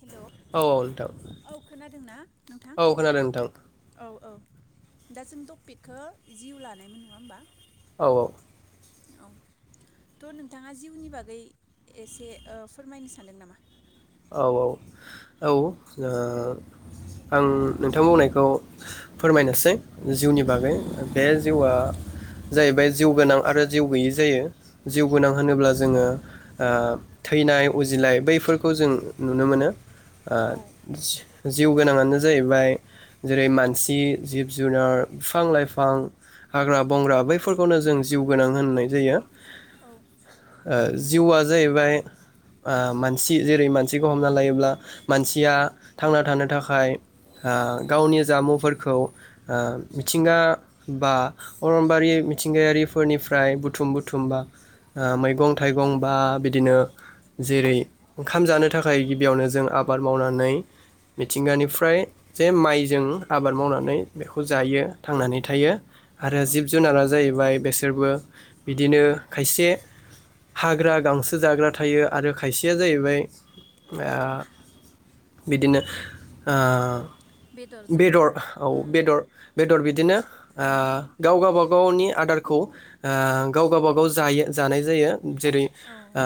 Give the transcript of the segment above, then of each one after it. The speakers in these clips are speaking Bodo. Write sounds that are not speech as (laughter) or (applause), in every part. हेल' औ खोनादों ना नोंथां। औ खोनादों नोंथां औ औ दा जों टपिकखौ जिउ लानायमोन नङा होमबा। औ औ। औ। त' नोंथाङा जिउनि बागै एसे फोरमायनो सानदों नामा? औ औ औ आं नोंथां बुंनायखौ फोरमायनोसै जिउनि बागै बे जिउआ जाहैबाय जिउ गोनां आरो जिउ गैयि जायो जिउ गोनां होनोब्ला जोङो ओ थैनाय उजिनाय बैफोर खौ जों नुनो मोनो ओ औ जिउ गोनाङानो जाहैबाय जेरै मानसि जिब जुनार बिफां लाइफां। हाग्रा बंग्रा बैफोरखौनो जों जिउ गोनां होननाय जायो। औ ओ जिउआ जाहैबाय ओ मानसि जेरै मानसिखौ हमना लायोब्ला मानसिया थांना थानो थाखाय ओ गावनि जामुंफोरखौ मिथिंगा बा अरनबारि मिथिंगायारिफोरनिफ्राय बुथुम बुथुमबा। मैगं थाइगं बा बिदिनो जेरै- ओंखाम जानो थाखाय गिबियावनो जों आबाद मावनानै मिथिंगानिफ्राय जे माइजों आबाद मावनानै बेखौ जायो थांनानै थायो। औ आरो औ जिब जुनारा जाहैबाय बेसे बिसोरबो बिदिनो खायसे हाग्रा गांसो जाग्रा थायो आरो खायसे सेया जाहैबाय ओ बिदिनो बेदर बेदरजोंल' औ उम बेदर बेदर बिदिनोओ उम गाव गावबागावनि आदारखौ गाव गाबागाव जायो जानाय जायो। जेरै- औ ओ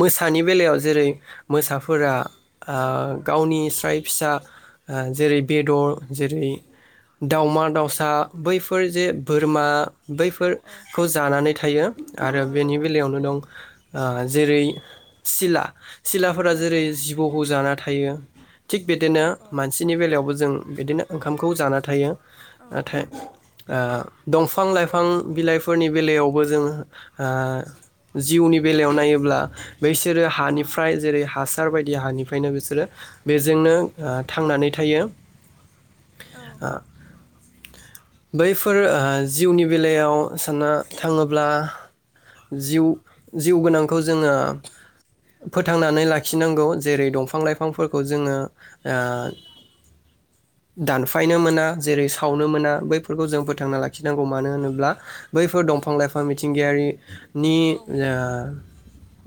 मोसानि बेलायाव जेरै मोसाफोरा औ गावनि स्राय फिसा जेरै बेदर जेरै दावमा दाउसा बैफोर जे बोरमा। औ बैफोरखौ जानानै थायो आरो औ बेनि औ बेलायावनो दं जेरै- सिला सिलाफोरा औ जेरै जिबौखौ जाना थायो। थिग बिदिनो औ औ मानसिनि बेलायावबो जों बिदिनो ओंखामखौ जाना थायो औ नाथाय दंफां लाइफां बिलाइफोरनि बेलायावबो जों ओ जिउनि बेलायाव नायोब्ला बैसोरो हानिफ्राय जेरै हासार बायदि हानिफ्रायनो बिसोरो। बेजोंनो थांनानै थायो। औ बैफोर ओ जिउनि बेलायाव साननो थाङोब्ला। जिउ- जिउ गोनांखौ जोङो। फोथांनानै लाखिनांगौ जेरै दंफां लाइफांफोरखौ जोङो ओ दानफायनो मोना जेरै सावनो औ मोना बै फोरखौ जों फोथांना लाखिनांगौ मानो होनोब्ला बैफोर दंफां लाइफां मिथिंगायारि नि ओ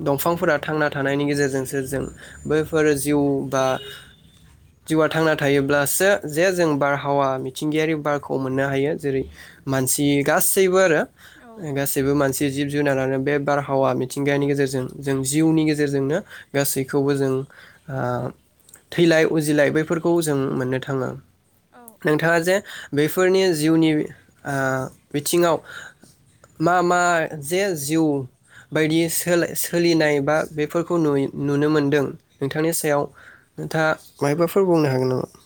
दंफांफोरा थांना थानायनि गेजेरजोंसो जों बैफोर जिउ बा (inaudible) जिउआ थांना थायोब्लासो जे जों बारहावा मिथिंगायारि बारखौ मोननो हायो जेरै मानसि गासैबो आरो औ गासैबो मानसि जिब जुनारानो बे उम बारहावा मिथिंगायानि गेजेरजों जों जिउनि गेजेरजोंनो गासैखौबो जों ओ थैलाय उजिलाय बैफोरखौ जों मोननो थाङो औ नोंथाङा औ जे बेफोरनि जिउनि ओ बिथिङाव मा मा जे जिउ बायदि सोलाय सोलिनाय बा बेफोरखौ नु-नुनो मोनदों नोंथांनि सायाव नोंथाङा मायबाफोर बुंनो हागोन नामा?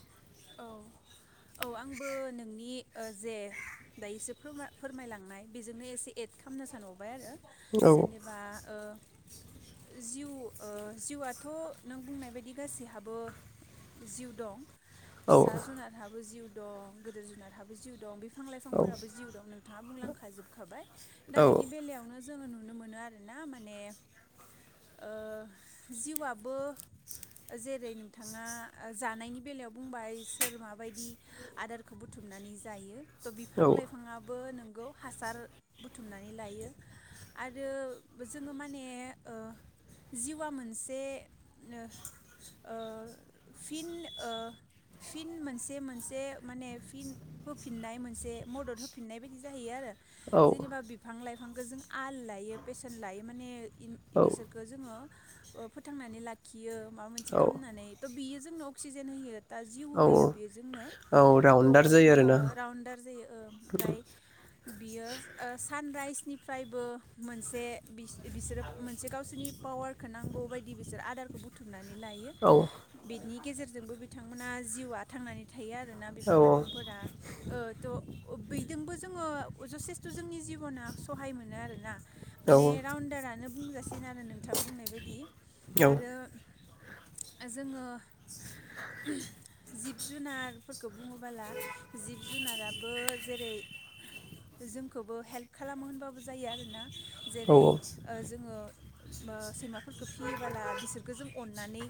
औ औ आंबो नोंनि ओ जे दा एसे फोरमा-फोरमायलांनाय बेजोंनो एसे एद खालामनो सानहरबाय आरो। औ जेनेबा ओ जिउ ओ जिउआथ' नों बुंनाय बायदि गासैहाबो जिउ दं। औ फिसा जुनारहाबो जिउ दं, गोदोर जुनारहाबो जिउ दं, बिफां औ लाइफांफोराबो जिउ दं नों थाङा बुंलांखाजोबखाबाय। दा औ बिनि बेलायावनो जोङो नुनो मोनो आरोना माने ओ जिउआबो जेरै नोंथाङा जानायनि बेलायाव बुंबाय सोर माबायदि आदारखौ बुथुमनानै जायो थ' बिफां लाइफाङाबो नोंगौ हासार बुथुमनानै लायो आरो जोङो माने ओ जिउआ मोनसे ओ ओ फिन ओ फिन मोनसे मोन से माने फिन होफिननाय मोनसे मदद होफिननाय बायदि जाहैयो आरो जेनेबा बि फां लाइफांखौ जों आल लायो बेसेन लायो माने इन बिसोर खौ जोङो ओ फोथांनानै लाखियो माबा मोनसे औ खालामनानै थ' बियो जोंनो अक्सिजेन होयो। दा जिउ औ होयो बेजोंनो। औ थ'ओ राउन्डार जायो आरोना राउन्डार जायो ओ ओमफ्राय बियो ओ सानराइसनिफ्रायबो मोनसे बिस-बिसोरो मोनसे गावसोरनि पावारखौ नांगौ बायदि बिसोर आदारखौ बुथुमनानै लायो। औ बिनि गेजेरजोंबो बिथांमोना जिउआ थांनानै थायो आरोना बिफां औ लाइफांफोरा। ओ थ' ओ बेजोंबो जोङो जसेेस्थ' जोंनि जिब'ना सहाय मोनो आरोना। औ माने राउन्डारानो बुंजासिन आरो नोंथां बुंनाय बायदि आरो ओम जोङो जिब जुनारफोरखौ बुङोबोला जिब जुनाराबो जेरै जोंखौबो हेल्प खालामो होनबाबो जायो आरोना। जेरै ओ जोङो ओ सैमाफोरखौ फियोबोला बिसोरखौ जों अननानै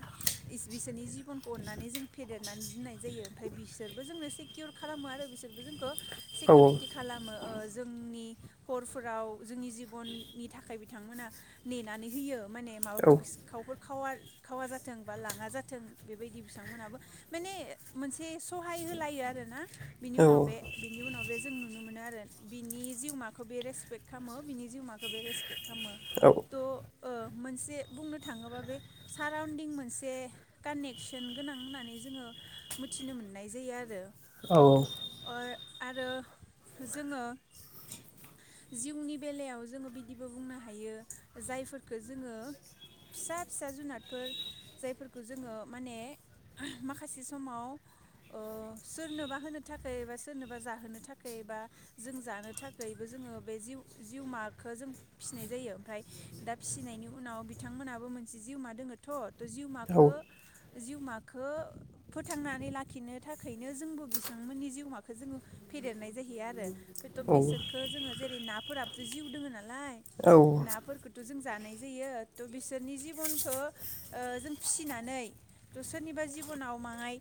बिसोरनि जिबनखौ अननानै जों फेदेरनानै दोननाय जायो ओमफ्राय बिस बिसोरबो जोंनो सिकिउर खालामो आरो बिसोरबो जोंखौ सिकउरिटि खालामो ओ जोंनि हरफोराव जोंनि जिबननि थाखाय बिथांमोना नेनानै होयो माने माबाफोर सिखावफोर खावा आर खावा जाथों बा लाङा जाथों बेबायदि बिथांमोनहाबो माने मोनसे सहाय होलायो आरोना बिनि उनाव बे बिनि उनाव बे जों नुनो मोनो आरो बिनि जिउमाखौ बे रेसपेक्ट खामो बिनि जिउमाखौ बे रेसपेक्ट खामो। थ' ओ मोनसे बुंनो थाङोबा बे साराउन्डिं मोनसे कानेक्सन गोनां होननानै जोङो मिथिनो मोननाय जायो आरो। औ। अर आरो जोङो जिउनि बेलायाव जोङो बिदिबो बुंनो हायो जायफोरफोरखौ जोङो फिसा फिसा जुनादफोर जायफोरखौ जोङो माने माखासे समाव ओ सोरनोबा होनो थाखाय बा सोरनोबा जाहोनो थाखै बा जों जानो थाखायबो जोङो बे जिउ जिउमाखो जों फिसिनाय जायो ओमफ्राय दा फिसिनायनि उनाव बिथांमोनहाबो मोनसे जिउमा दोङो। थ जिउमाखो जिउमाखो फोथांनानै लाखि खिनो थाखैनो जोंबो बिथांमोननि जिउमाखौ जोङो फेदेरनाय जाहैयो आरो बेथ' बिसोरखौ‌ जोङो जेरै नाफोराबोथ' जिउ दोङो नालाय नाफोरखो थ' जों जानाय जायो थ' बिसोरनि जिबनखौ ओ जों फिसिनानै थ' सोरनिबा जिबनाव माहाय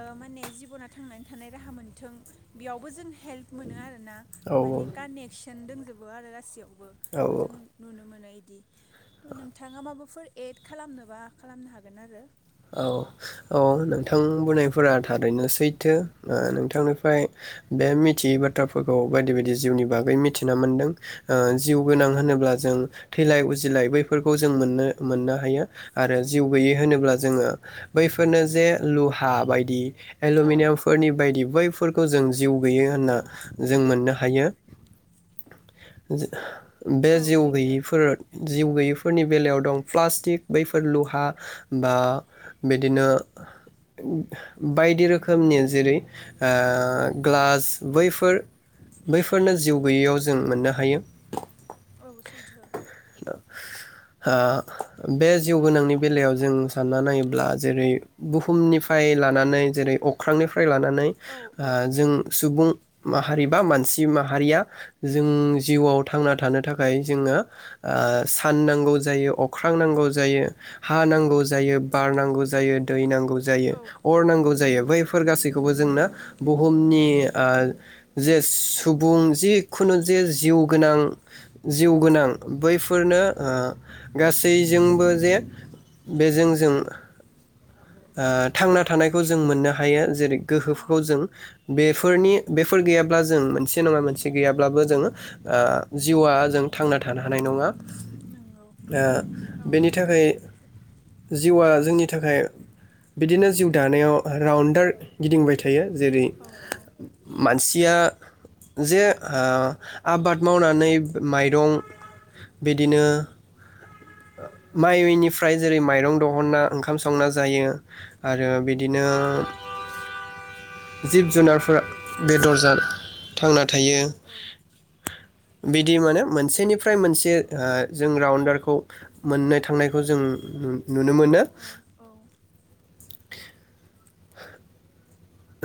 ओ माने जिब'ना थांनानै थानाय राहा मोनथों बेयावबो जों हेल्प मोनो आरोना औ माने कानेक्सन दंजोबो आरो गासैयावबो औ औ जों नुनो मोनो इदि थ' नोंथाङा माबाफोर एड खालामनोबा खालामनो हागोन आरो। औ औ नोंथां बुंनायफोरा थारैनो सैथो ओ नोंथांनिफ्राय बे मिथियै बाथ्राफोरखौ बायदि बायदि जिउनि बागै मिथिना मोन्दों। ओ जिउ गोनां होनोब्ला जों थैलाय उजिलाय बै बैफोरखौ जों मोननो मोननो हायो आरो जिउ गैयै होनोब्ला जोङो बैफोरनो जे लुहा बायदि औ एलमिनियाम फोरनि बायदि बैफोरखौ जों जिउ गैयै होनना जों मोननो हायो। बे औ जिउ सैथो गैयिफोर जिउ गैयिफोरनि बेलायाव दं प्लास्टिक बैफोर लुहा बा बिदिनो बायदि रोखोमनि जेरै ओ ग्लास बैफोर बैफोरनो जिउ गैयैयाव जों मोननो हायो। औ सैथो। ओ बे जिउ गोनांनि बेलायाव जों सानना नायोब्ला जेरै बुहुमनिफ्राय लानानै जेरै अख्रां निफ्राय लानानै औ औ ओ जों सुबुं माहारि बा मानसि माहारिया जों जिउआव थांना थानो थाखाय जोङो ओ सान नांगौ जायो अख्रां नांगौ जायो हा नांगौ जायो बार नांगौ जायो दै नांगौ जायो औ अर नांगौ जायो बैफोर गासैखौबो जोंनो बुहुमनि ओ जे सुबुं जिखुनु जे जिउ गोनां। जिउ गोनां बैफोरनो ओ गासैजोंबो जे बेजों जों। ओ थांना थानायखौ जों मोननो हायो जेरै औ गोहोफोरखौ जों बेफोरनि बेफोर गैयाब्ला जों मोनसे नङा मोनसे गैयाब्लाबो जोङो ओ जिउआ जों। थांना थानो हानाय नङा ओ नंगौ औ बेनि थाखाय जिउआ जोंनि थाखाय बिदिनो जिउ दानायाव राउन्डार गिदिंबाय थायो जेरै औ मानसिया जे ओ आबाद मावनानै माइरं बिदिनो माइ मिलनिफ्राय जेरै माइरं दिहुनना ओंखाम संना जायो। आरो बिदिनो जिब जुनारफोरा बेदर जाना थांना थायो। औ बिदि माने मोनसेनिफ्राय मोनसे ओ जों रावन्डारखौ मोननो थांनायखौ जों (unintelligible) नुनो औ मोनो। औ। (inaudible)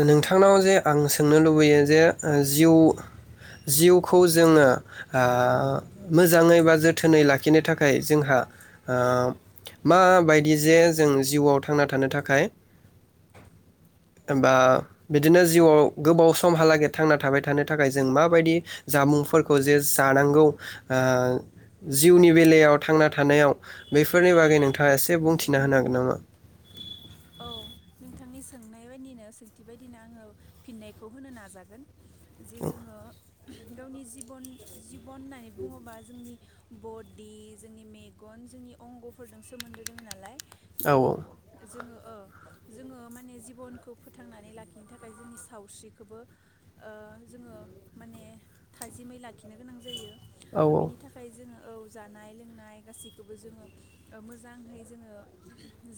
औ नोंथांनाव नंगौ जे आं सोंनो लुबैयो जे ओ जिउ जिउखौ जोङो ओ मोजांङै बा जोथोनै लाखिनो थाखाय जोंहा ओ माबायदि जे जों जिउआव थांना थानो थाखाय बा बिदिनो जिउआव गोबाव समहालागै थांना थाबाय थानो थाखाय जों माबायदि जामुंफोरखौ जे जानांगौ ओ औ औ जिउनि बेलायाव थांना थानायाव बेफोरनि बागै नोंथाङा एसे बुंथिना होनो हागोन नामा? औ नोंथांनि सोंनाय बायदिनो सोंथि बायदिनो आंङो फिननायखौ होनो नाजागोन जे जोङो गावनि जिबन जिबन होननानै बुङोबा जोंनि बदि जोंनि मेगन जोंनि अंग'फोरजों सोमोन्दो दोङो नालाय औ त' जोंङो औ जोङो माने जिबनखौ फोथांनानै लाखिनो थाखाय जोंनि सावस्रिखौबो ओ‌ जोंङो माने थाजिमै लाखिनो गोनां जायो औ दा बेनि थाखाय खाय जोङो औ जानाय लोंनाय गासैखौबो जोङो ओ मोजांहै जोङो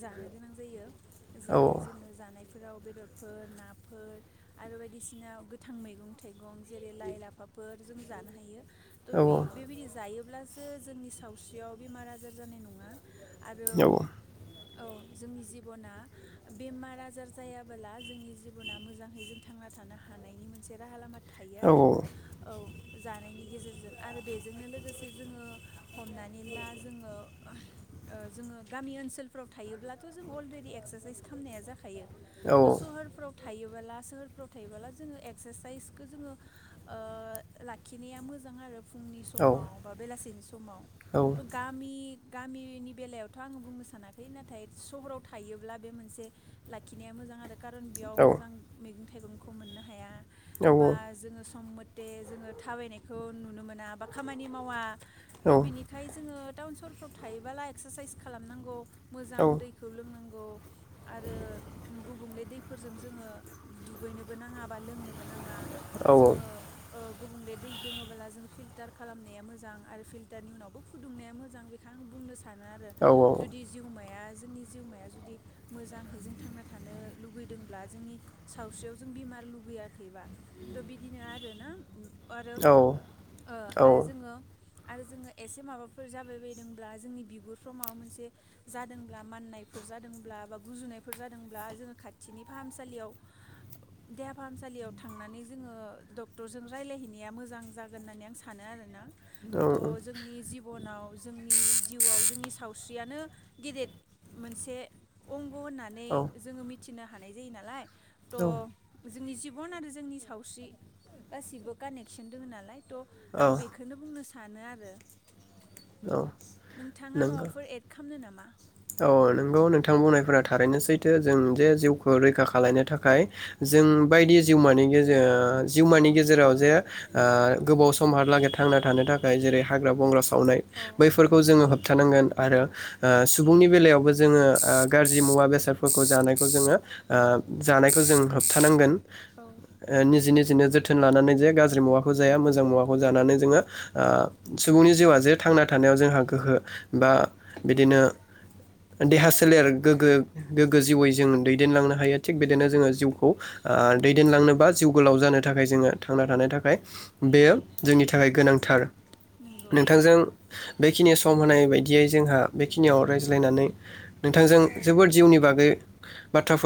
जानो गोनां जायो। औ जेरै जोङो जानायफोराव बेदरफोर नाफोर आरो बायदिसिना गोथां मैगं थाइगं जेरै लाइ लाफाफोर जों जानो हायो। थ' औ बे बेबायदि जायोब्लासो जोंनि सावस्रियाव बेमार आजार जानाय नङा। आरो औ जोंनि जि (unintelligible) बेमार आजार जायाबोला जोंनि जिब'ना मोजाङै जों थांना थानो हानायनि राहा लामा थायो औ आरो ओ। जानायनि गेजेरजों आरो बेजोंनो लोगोसे जोङो हमनानै ला जोङो (unintelligible) ओ जोङो गामि ओनसोलफ्राव थायोब्लाथ' जों अलरे (unintelligible) एक्सारसाइ खालामनाया जाखायो त' सहारफ्राव थायोबोला सोहोरफ्राव थायोबोला जोङो एक्सारसाइसखौ जोङो ओ लाखिनाया‌ मोजां आरो। फुंनि समाव बा बेलासिनि समाव थ' गा गामि गामिनि बेलायावथ' आङो बुंनो सानाखै नाथाय सहराव थायोब्ला बे मोनसे लाखिनाया मोजां आरो खारन बेयाव मोजां मैगं थाइगंखौ मोननो हाया औ बा जोङो सम जे जोङो थाबायनायखौ नुनो मोना बा खामानि मावा थ' बिनि बेखायनो जोङो टाउन सहरफ्राव थायोबोला एक्सारसाइस खालामनांगौ मोजां दैखौ लोंनांगौ। आरो गुबुंले दैफोरजों जोङो दुगैनोबो नाङा बा लोंनोबो नाङा। जोङो ओ गुबुंले दै दोङोबोला जोंङो फिल्टार खालामनाया मोजां आरो फिल्टारनि उनावबो फुदुंनाया मोजां बे बेखौ आं बुंनो सानो आरो जुदि जिउमाया जोंनि जिउमाया जुदि मोजाङै जों थांना थानो लुगैदोंब्ला जोंनि सावस्रियाव जों बेमार लुगैयाखैबा थ' बिदिनो आरोना आरो ओ‌ आरो जोङो आरो जोङो एसे माबाफोर जाबाय बायदोंब्ला जोंनि बिगुरफ्राव माबा मोनसे जादोंब्ला माननाय फोर जादोंब्ला बा गुजुनायफोर जादोंब्ला जोङो खाथिनि फाहामसालियाव देहा फाहामसालियाव थांनानै जोङो डक्टरजों रायलायहैनाया मोजां जागोन होननानै आं सानो- सानो आरोना थह जोंनि जिबनाव जोंनि जिउआव जोंनि सावस्रियानो गेदेर मोनसे अंग' होननानै जोङो मिथिनो हानाय जायो नालाय थ जोंनि जिबन आरो जोंनि सावस्रि गासिबो कानेक्सन दङ नालाय थ' औ आं बे खौनो बुंनो सानो आरो औ नोंथाङा नंगौ माबाफोर एड खालामनो नामा औ नोंगौ नोंथां बुंनायफोरा थारैनो सैथो जों जे जिउखौ रैखा खालायनो थाखाय जों बायदि जिउमानि गेजो आ जिउमानि गेजेराव जे ओ गोबाव समहालागै थांना थानो थाखाय जेरै हाग्रा बंग्रा सावनाय औ बैफोरखौ जोङो होबथानांगोन आरो ओ सुबुंनि बेलायावबो जोङो ओ गाज्रि मुवा बेसादफोरखौ जानायखौ जोङो ओ जानायखौ जों होबथानांगोन औ ओ निजे निजेनो जोथोन लानानै जे गाज्रि मुवाखौ जाया मोजां मुवाखौ जानानै जोङो ओ सुबुंनि जिउआ जे थांना थानायाव जोंहा गोहो बा बिदिनो देहा सोलेर गोग्गो गोग्गो जिउवै जों दैदेनलांनो हायो थिग बिदिनो जोङो जिउखौ ओ दैदेनलांनोबा जिउ गोलाव जानो थाखाय जोङो थांना थानो थाखाय बेयो जोंनि थाखाय गोनांथार नंगौ नोंथांजों बेखिनियाव सम होनाय बायदियै जोंहा बेखिनियाव राय ज्लायनानै नोंथांजों औ जोबोद औ जिउनि बागै बाथ्राफोर